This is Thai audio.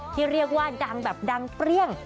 ที่เรียกว่าดังแบบดังเปรี้ยง